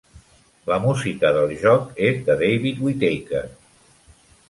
La música del joc és de David Whittaker.